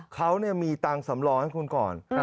เขามีตังค์สำรองให้คุณก่อน